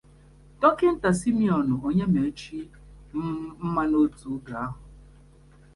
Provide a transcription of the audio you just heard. Dọkịta Simeon Onyemaechi mma n'otu oge ahụ